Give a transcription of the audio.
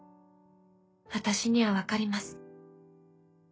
私には分かります。